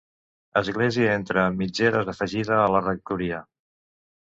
Església entre mitgeres afegida a la rectoria.